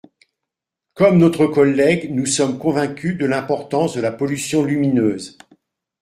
Comme notre collègue, nous sommes convaincus de l’importance de la pollution lumineuse.